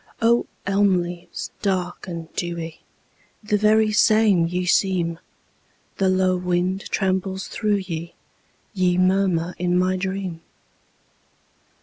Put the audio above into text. O elm leaves dark and dewy, The very same ye seem, The low wind trembles through ye, Ye murmur in my dream!